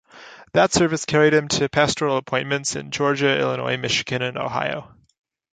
That service carried him to pastoral appointments in Georgia, Illinois, Michigan, and Ohio.